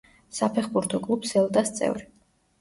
საფეხბურთო კლუბ „სელტას“ წევრი.